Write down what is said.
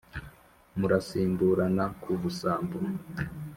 Murasimburana ku busambo